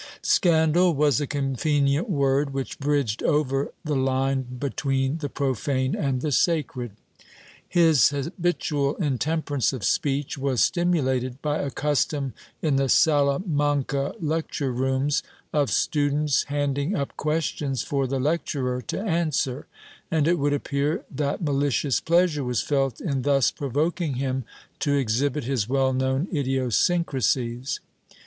Scandal was a Chap. VII] FRANCISCO SANCHEZ 163 convenient word which bridged over the line between the profane and the sacred/ His habitual intemperance of speech was stimulated by a custom in the Salamanca lecture rooms of students handing up questions for the lecturer to answer, and it would appear that malicious pleasure was felt in thus provoking him to exhibit his well known idiosyncrasies.